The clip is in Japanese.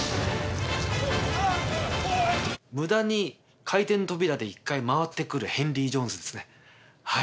無駄に回転扉で一回回って来るヘンリー・ジョーンズですねはい。